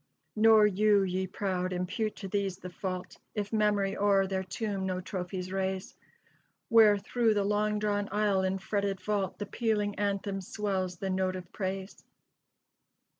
"Nor you, ye proud, impute to these the fault, If memory o'er their tomb no trophies raise, Where through the long drawn aisle and fretted vault The pealing anthem swells the note of praise."